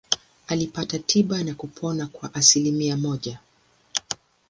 Alipata tiba na kupona kwa asilimia mia moja.